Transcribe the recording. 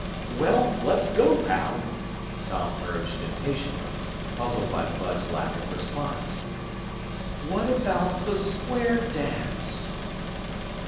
"Well, let's go, pal!" Tom urged impatiently, puzzled by Bud's lack of response. "What about the square dance?"